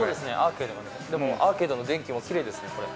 でもアーケードの電気もきれいですねこれ。